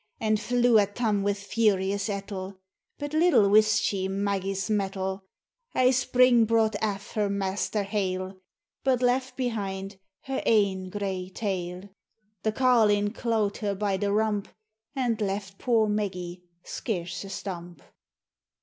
77 And flew at Tarn wi' furious ettle : But little wist she Maggie's mettle, — Ae spring brought aff her master hale, But left behind her ain gray tail : The carlin claught her by the rump, And left poor Maggie scarce a stump.